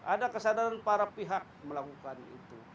ada kesadaran para pihak melakukan itu